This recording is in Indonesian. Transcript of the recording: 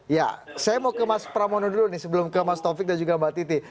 ya saya mau ke mas pramono dulu nih sebelum ke mas taufik dan juga mbak titi